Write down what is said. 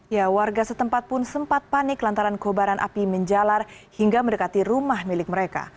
ya warga setempat pun sempat panik lantaran kobaran api menjalar hingga mendekati rumah milik mereka